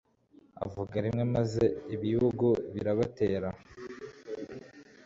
Avuga rimwe maze ibibugu birabatera